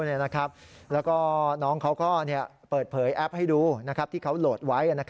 แล้วก็น้องเขาก็เปิดเผยแอปให้ดูที่เขาโหลดไว้